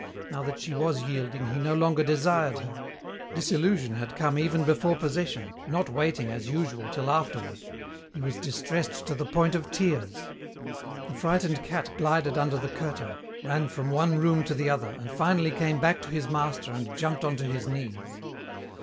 Now that she was yielding he no longer desired her! Disillusion had come even before possession, not waiting, as usual, till afterward. He was distressed to the point of tears. The frightened cat glided under the curtain, ran from one room to the other, and finally came back to his master and jumped onto his knees.